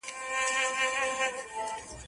په جنګ وتلی د ټولي مځکي